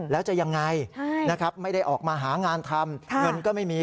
แล้วจะยังไงนะครับไม่ได้ออกมาหางานทำเงินก็ไม่มี